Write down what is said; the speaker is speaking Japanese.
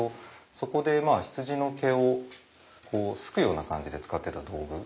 そこで羊の毛をすくような感じで使ってた道具。